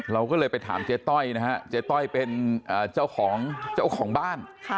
เราก็เลยไปถามเจ๊ต้อยนะฮะเจ๊ต้อยเป็นเจ้าของเจ้าของบ้าน